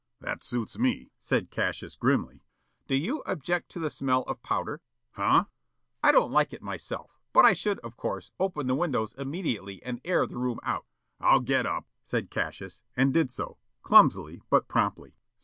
"That suits me," said Cassius grimly. "Do you object to the smell of powder?" "Huh?" "I don't like it myself, but I should, of course, open the windows immediately and air the room out " "I'll get up," said Cassius, and did so, clumsily but promptly.